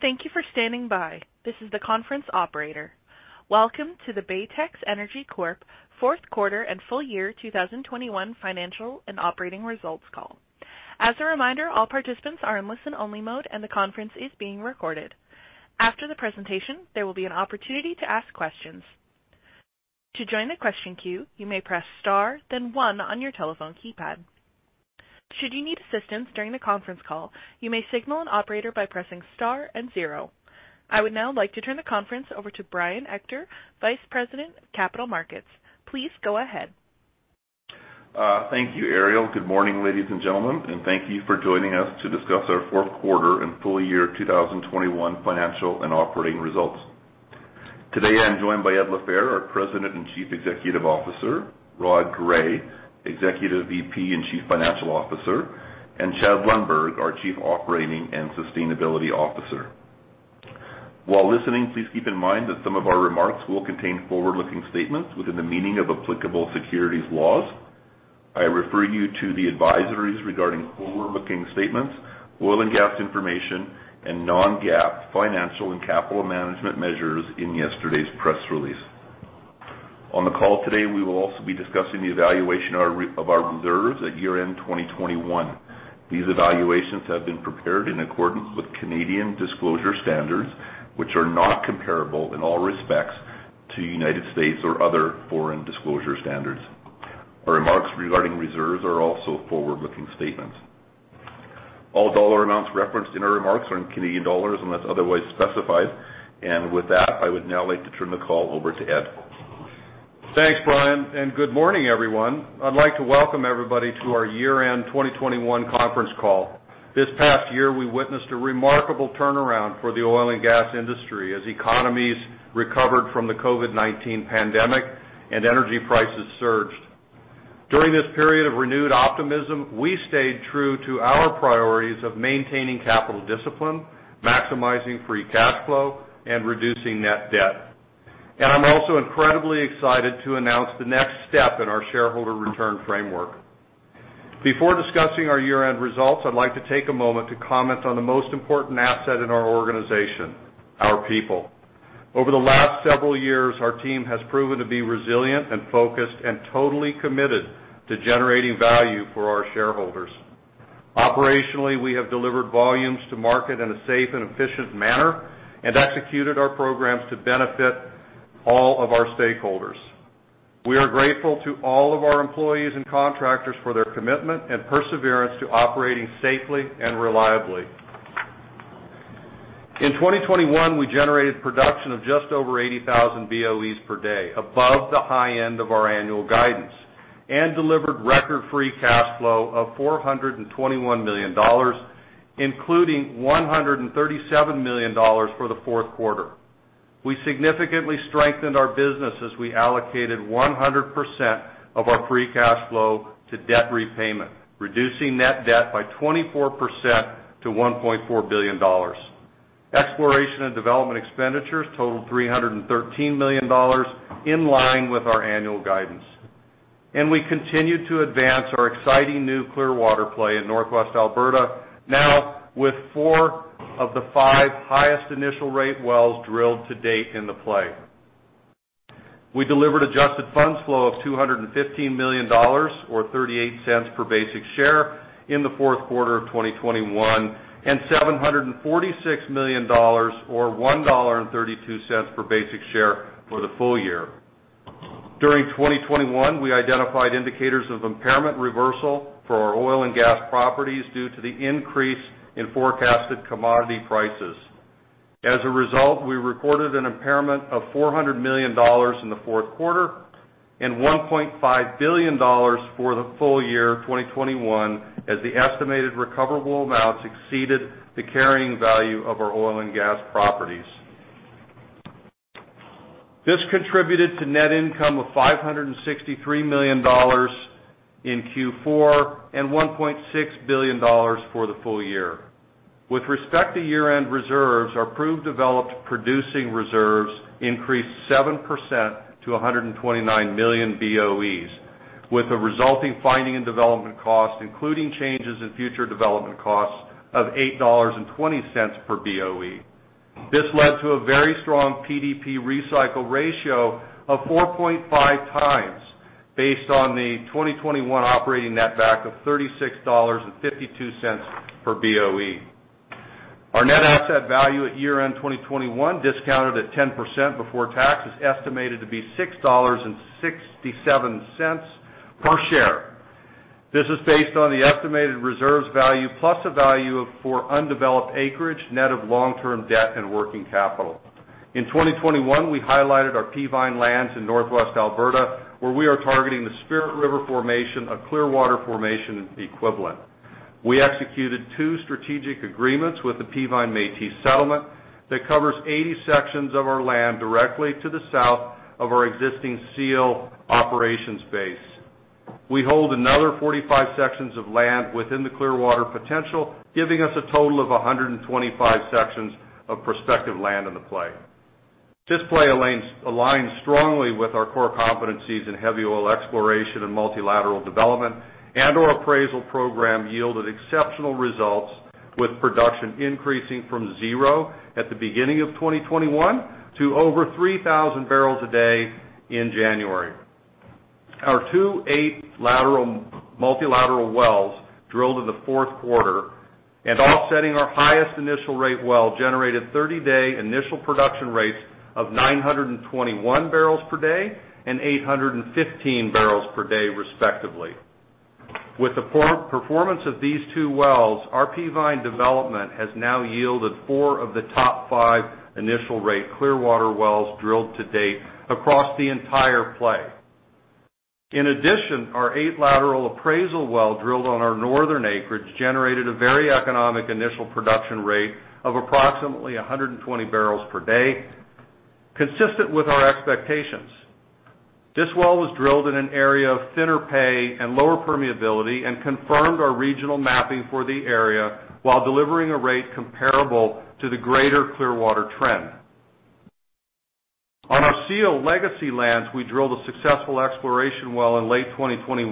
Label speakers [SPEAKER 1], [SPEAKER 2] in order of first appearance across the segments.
[SPEAKER 1] Thank you for standing by. This is the conference operator. Welcome to the Baytex Energy Corp. Fourth Quarter and Full Year 2021 Financial and Operating Results Call. As a reminder, all participants are in listen-only mode, and the conference is being recorded. After the presentation, there will be an opportunity to ask questions. To join the question queue, you may press star then one on your telephone keypad. Should you need assistance during the conference call, you may signal an operator by pressing star and zero. I would now like to turn the conference over to Brian Ector, Vice President, Capital Markets. Please go ahead.
[SPEAKER 2] Thank you, Ariel. Good morning, ladies and gentlemen, and thank you for joining us to discuss our fourth quarter and full year 2021 financial and operating results. Today, I'm joined by Ed LaFehr, our President and Chief Executive Officer, Rod Gray, Executive VP and Chief Financial Officer, and Chad Lundberg, our Chief Operating and Sustainability Officer. While listening, please keep in mind that some of our remarks will contain forward-looking statements within the meaning of applicable securities laws. I refer you to the advisories regarding forward-looking statements, oil and gas information, and non-GAAP financial and capital management measures in yesterday's press release. On the call today, we will also be discussing the evaluation of our reserves at year-end 2021. These evaluations have been prepared in accordance with Canadian disclosure standards, which are not comparable in all respects to United States or other foreign disclosure standards. Our remarks regarding reserves are also forward-looking statements. All dollar amounts referenced in our remarks are in Canadian dollars unless otherwise specified. With that, I would now like to turn the call over to Ed.
[SPEAKER 3] Thanks, Brian, and good morning, everyone. I'd like to welcome everybody to our year-end 2021 conference call. This past year, we witnessed a remarkable turnaround for the oil and gas industry as economies recovered from the COVID-19 pandemic and energy prices surged. During this period of renewed optimism, we stayed true to our priorities of maintaining capital discipline, maximizing free cash flow, and reducing net debt. I'm also incredibly excited to announce the next step in our shareholder return framework. Before discussing our year-end results, I'd like to take a moment to comment on the most important asset in our organization, our people. Over the last several years, our team has proven to be resilient and focused and totally committed to generating value for our shareholders. Operationally, we have delivered volumes to market in a safe and efficient manner and executed our programs to benefit all of our stakeholders. We are grateful to all of our employees and contractors for their commitment and perseverance to operating safely and reliably. In 2021, we generated production of just over 80,000 BOEs per day, above the high end of our annual guidance, and delivered record free cash flow of 421 million dollars, including 137 million dollars for the fourth quarter. We significantly strengthened our business as we allocated 100% of our free cash flow to debt repayment, reducing net debt by 24% to 1.4 billion dollars. Exploration and development expenditures totaled 313 million dollars, in line with our annual guidance. We continued to advance our exciting new Clearwater play in northwest Alberta, now with four of the five highest initial rate wells drilled to date in the play. We delivered adjusted funds flow of 215 million dollars or 0.38 per basic share in the fourth quarter of 2021, and 746 million dollars or 1.32 dollar per basic share for the full year. During 2021, we identified indicators of impairment reversal for our oil and gas properties due to the increase in forecasted commodity prices. As a result, we reported an impairment of 400 million dollars in the fourth quarter and 1.5 billion dollars for the full year of 2021 as the estimated recoverable amounts exceeded the carrying value of our oil and gas properties. This contributed to net income of 563 million dollars in Q4 and 1.6 billion dollars for the full year. With respect to year-end reserves, our proved developed producing reserves increased 7% to 129 million BOEs, with a resulting finding and development cost, including changes in future development costs, of 8.20 dollars per BOE. This led to a very strong PDP recycle ratio of 4.5x based on the 2021 operating netback of 36.52 dollars per BOE. Our net asset value at year-end 2021, discounted at 10% before tax is estimated to be 6.67 dollars per share. This is based on the estimated reserves value, plus a value for undeveloped acreage, net of long-term debt and working capital. In 2021, we highlighted our Peavine lands in northwest Alberta, where we are targeting the Spirit River Formation, a Clearwater Formation equivalent. We executed two strategic agreements with the Peavine Métis Settlement that covers 80 sections of our land directly to the south of our existing Seal operations base. We hold another 45 sections of land within the Clearwater potential, giving us a total of 125 sections of prospective land in the play. This play aligns strongly with our core competencies in heavy oil exploration and multi-lateral development, and our appraisal program yielded exceptional results, with production increasing from zero at the beginning of 2021 to over 3,000 barrels a day in January. Our two eight-lateral multi-lateral wells drilled in the fourth quarter and offsetting our highest initial rate well generated 30-day initial production rates of 921 barrels per day and 815 barrels per day, respectively. With the performance of these two wells, our Peavine development has now yielded four of the top five initial rate Clearwater wells drilled to date across the entire play. In addition, our eight-lateral appraisal well drilled on our northern acreage generated a very economic initial production rate of approximately 120 barrels per day, consistent with our expectations. This well was drilled in an area of thinner pay and lower permeability and confirmed our regional mapping for the area while delivering a rate comparable to the greater Clearwater trend. On our Seal legacy lands, we drilled a successful exploration well in late 2021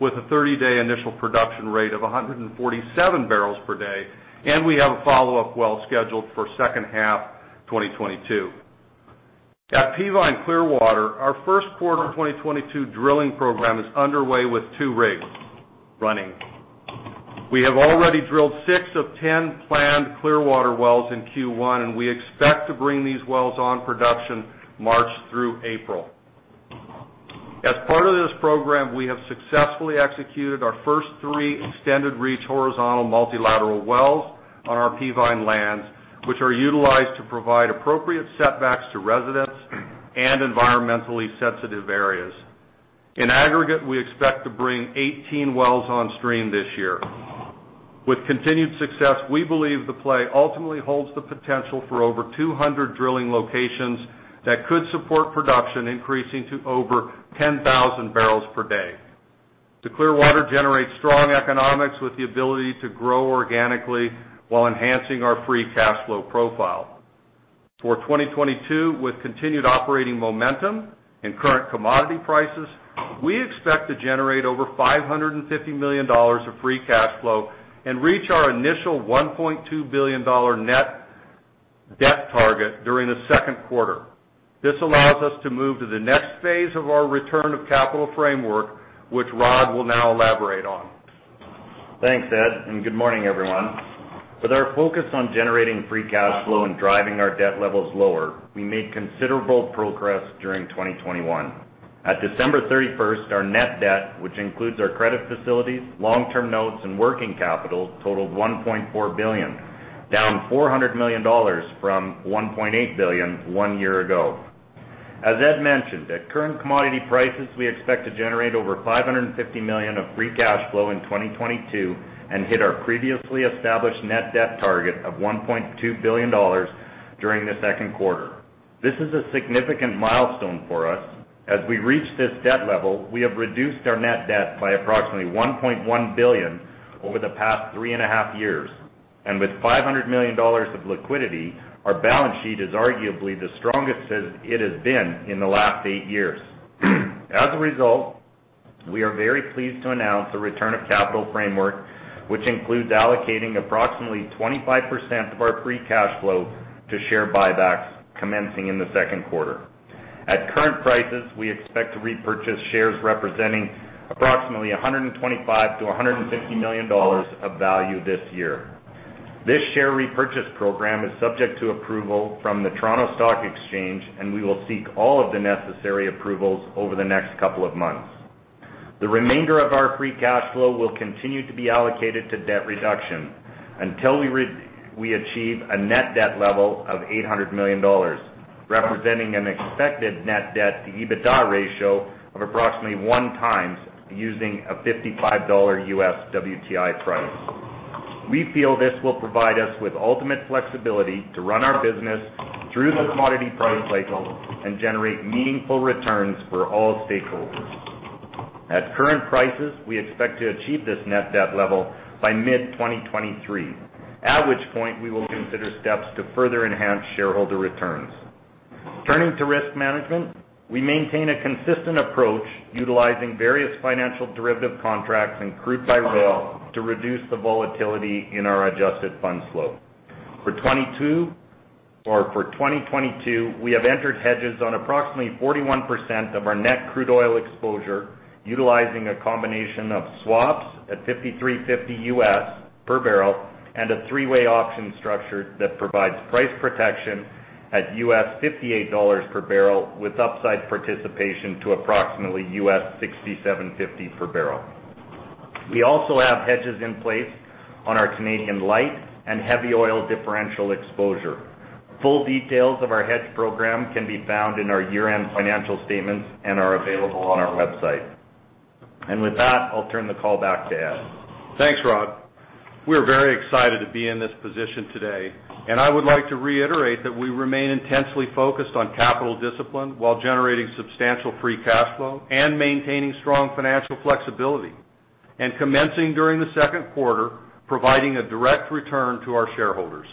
[SPEAKER 3] with a 30-day initial production rate of 147 barrels per day, and we have a follow-up well scheduled for second half 2022. At Peavine Clearwater, our first quarter 2022 drilling program is underway with two rigs running. We have already drilled six of 10 planned Clearwater wells in Q1, and we expect to bring these wells on production March through April. As part of this program, we have successfully executed our first three extended reach horizontal multi-lateral wells on our Peavine lands, which are utilized to provide appropriate setbacks to residents and environmentally sensitive areas. In aggregate, we expect to bring 18 wells on stream this year. With continued success, we believe the play ultimately holds the potential for over 200 drilling locations that could support production increasing to over 10,000 barrels per day. The Clearwater generates strong economics with the ability to grow organically while enhancing our free cash flow profile. For 2022, with continued operating momentum and current commodity prices, we expect to generate over 550 million dollars of free cash flow and reach our initial 1.2 billion dollar net debt target during the second quarter. This allows us to move to the next phase of our return of capital framework, which Rod will now elaborate on.
[SPEAKER 4] Thanks, Ed, and good morning, everyone. With our focus on generating free cash flow and driving our debt levels lower, we made considerable progress during 2021. At December 31st, our net debt, which includes our credit facilities, long-term notes and working capital totaled 1.4 billion, down 400 million dollars from 1.8 billion one year ago. As Ed mentioned, at current commodity prices, we expect to generate over 550 million of free cash flow in 2022 and hit our previously established net debt target of 1.2 billion dollars during the second quarter. This is a significant milestone for us. As we reach this debt level, we have reduced our net debt by approximately 1.1 billion over the past 3.5 years. With 500 million dollars of liquidity, our balance sheet is arguably the strongest as it has been in the last eight years. As a result, we are very pleased to announce a return of capital framework, which includes allocating approximately 25% of our free cash flow to share buybacks commencing in the second quarter. At current prices, we expect to repurchase shares representing approximately 125 million-150 million dollars of value this year. This share repurchase program is subject to approval from the Toronto Stock Exchange, and we will seek all of the necessary approvals over the next couple of months. The remainder of our free cash flow will continue to be allocated to debt reduction until we achieve a net debt level of 800 million dollars, representing an expected net debt to EBITDA ratio of approximately 1x using a $55 WTI price. We feel this will provide us with ultimate flexibility to run our business through the commodity price cycles and generate meaningful returns for all stakeholders. At current prices, we expect to achieve this net debt level by mid-2023, at which point we will consider steps to further enhance shareholder returns. Turning to risk management, we maintain a consistent approach utilizing various financial derivative contracts and crude-by-rail to reduce the volatility in our adjusted funds flow. For 2022, we have entered hedges on approximately 41% of our net crude oil exposure, utilizing a combination of swaps at $53.50 per barrel and a three-way option structure that provides price protection at $58 per barrel with upside participation to approximately $67.50 per barrel. We also have hedges in place on our Canadian light and heavy oil differential exposure. Full details of our hedge program can be found in our year-end financial statements and are available on our website. With that, I'll turn the call back to Ed.
[SPEAKER 3] Thanks, Rod. We're very excited to be in this position today, and I would like to reiterate that we remain intensely focused on capital discipline while generating substantial free cash flow and maintaining strong financial flexibility. Commencing during the second quarter, providing a direct return to our shareholders.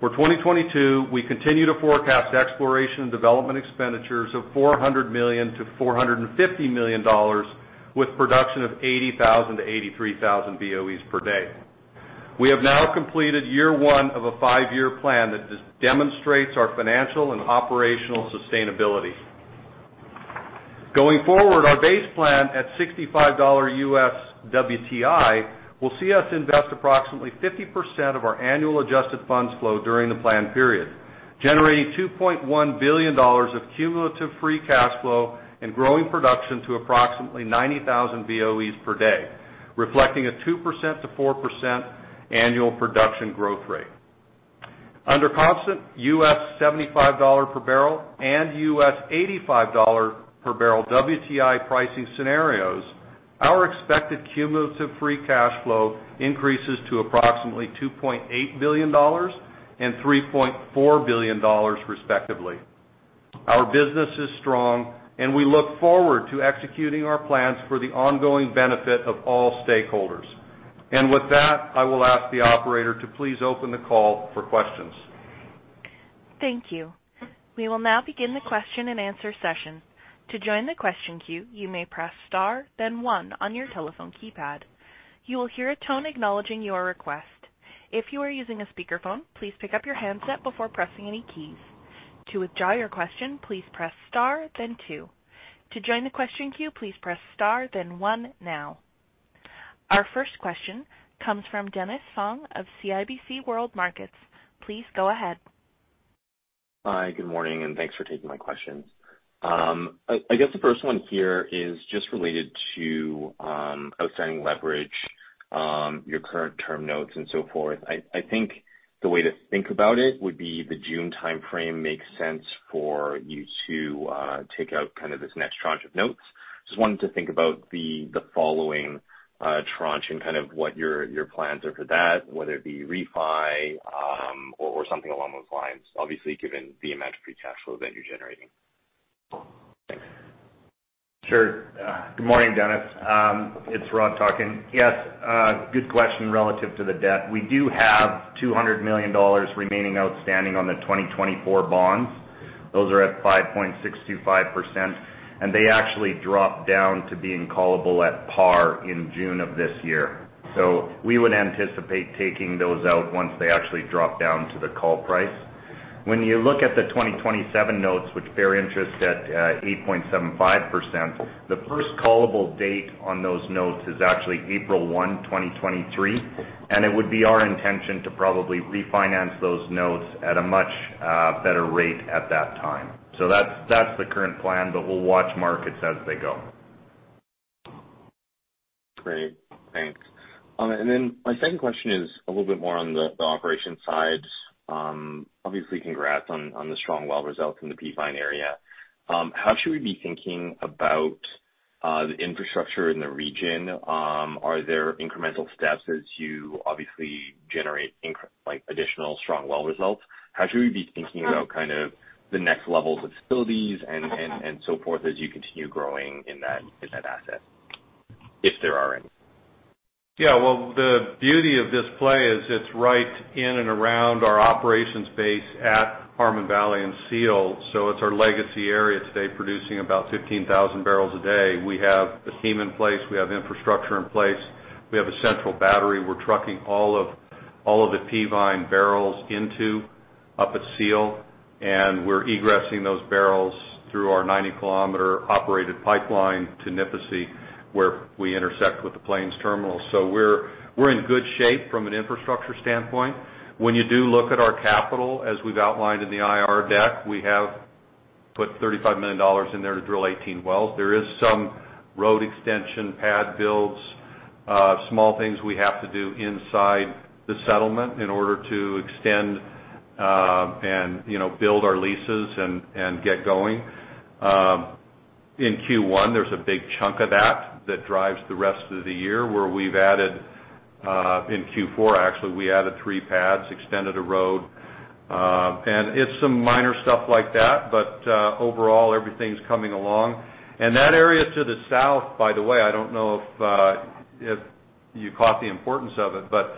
[SPEAKER 3] For 2022, we continue to forecast exploration and development expenditures of 400 million-450 million dollars with production of 80,000-83,000 BOEs per day. We have now completed year one of a five-year plan that demonstrates our financial and operational sustainability. Going forward, our base plan at $65 WTI will see us invest approximately 50% of our annual adjusted funds flow during the plan period, generating 2.1 billion dollars of cumulative free cash flow and growing production to approximately 90,000 BOEs per day, reflecting a 2%-4% annual production growth rate. Under constant $75 per barrel and $85 per barrel WTI pricing scenarios, our expected cumulative free cash flow increases to approximately $2.8 billion and $3.4 billion, respectively. Our business is strong and we look forward to executing our plans for the ongoing benefit of all stakeholders. With that, I will ask the operator to please open the call for questions.
[SPEAKER 1] Thank you. We will now begin the question-and-answer session. To join the question queue, you may press star then one on your telephone keypad. You will hear a tone acknowledging your request. If you are using a speakerphone, please pick up your handset before pressing any keys. To withdraw your question, please press star then two. To join the question queue, please press star then one now. Our first question comes from Dennis Fong of CIBC World Markets. Please go ahead.
[SPEAKER 5] Hi, good morning, and thanks for taking my questions. I guess the first one here is just related to outstanding leverage, your current term notes and so forth. I think the way to think about it would be the June timeframe makes sense for you to take out kinda this next tranche of notes. Just wanted to think about the following tranche and kind of what your plans are for that, whether it be refi, or something along those lines, obviously, given the amount of free cash flow that you're generating. Thanks.
[SPEAKER 4] Sure. Good morning, Dennis. It's Rod talking. Yes, good question relative to the debt. We do have 200 million dollars remaining outstanding on the 2024 bonds. Those are at 5.625%, and they actually drop down to being callable at par in June of this year. We would anticipate taking those out once they actually drop down to the call price. When you look at the 2027 notes, which bear interest at 8.75%, the first callable date on those notes is actually April 1, 2023, and it would be our intention to probably refinance those notes at a much better rate at that time. That's the current plan, but we'll watch markets as they go.
[SPEAKER 5] Great. Thanks. My second question is a little bit more on the operations side. Obviously, congrats on the strong well results in the Peavine area. How should we be thinking about the infrastructure in the region? Are there incremental steps as you obviously generate like additional strong well results? How should we be thinking about kind of the next levels of facilities and so forth as you continue growing in that asset, if there are any?
[SPEAKER 3] Yeah. Well, the beauty of this play is it's right in and around our operations base at Harmon Valley and Seal, so it's our legacy area today producing about 15,000 barrels a day. We have the team in place. We have infrastructure in place. We have a central battery. We're trucking all of the Peavine barrels into up at Seal, and we're egressing those barrels through our 90 km operated pipeline to Nipisi, where we intersect with the Plains terminal. So we're in good shape from an infrastructure standpoint. When you do look at our capital, as we've outlined in the IR deck, we have put 35 million dollars in there to drill 18 wells. There is some road extension, pad builds, small things we have to do inside the settlement in order to extend and, you know, build our leases and get going. In Q1, there's a big chunk of that that drives the rest of the year, where we've added in Q4, actually, we added three pads, extended a road, and it's some minor stuff like that. Overall everything's coming along. That area to the south, by the way, I don't know if you caught the importance of it, but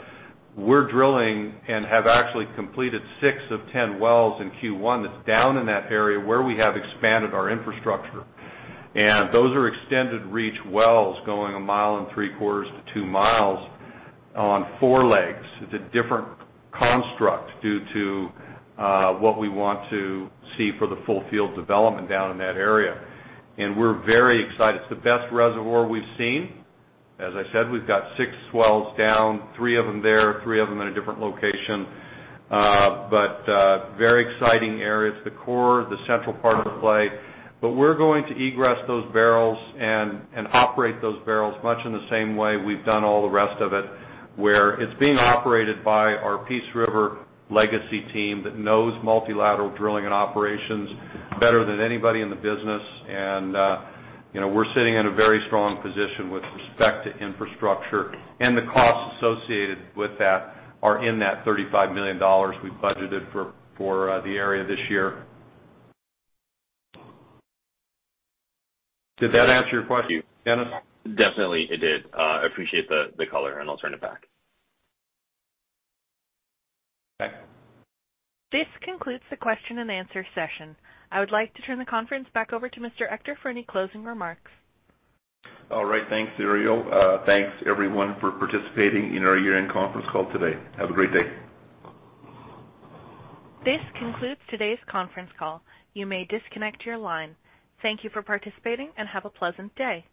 [SPEAKER 3] we're drilling and have actually completed six of 10 wells in Q1 that's down in that area where we have expanded our infrastructure. Those are extended reach wells going a mile and three quarters to 2 mi on 4 legs. It's a different construct due to what we want to see for the full field development down in that area. We're very excited. It's the best reservoir we've seen. As I said, we've got six wells down, three of them there, three of them in a different location, very exciting areas, the core, the central part of the play. We're going to egress those barrels and operate those barrels much in the same way we've done all the rest of it, where it's being operated by our Peace River legacy team that knows multi-lateral drilling and operations better than anybody in the business. You know, we're sitting in a very strong position with respect to infrastructure and the costs associated with that are in that 35 million dollars we budgeted for the area this year. Did that answer your question, Dennis?
[SPEAKER 5] Definitely it did. I appreciate the color, and I'll turn it back.
[SPEAKER 3] Okay.
[SPEAKER 1] This concludes the question and answer session. I would like to turn the conference back over to Mr. Ector for any closing remarks.
[SPEAKER 2] All right. Thanks, Ariel. Thanks, everyone, for participating in our year-end conference call today. Have a great day.
[SPEAKER 1] This concludes today's conference call. You may disconnect your line. Thank you for participating, and have a pleasant day.